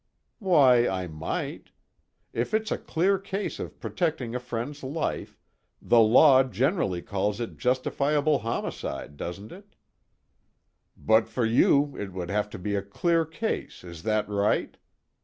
"Why, I might. If it's a clear case of protecting a friend's life, the law generally calls it justifiable homicide, doesn't it?" "But for you it would have to be a clear case, is that right?